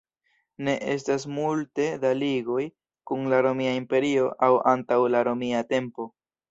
Ne estas multe da ligoj kun la Romia Imperio aŭ antaŭ la romia tempo.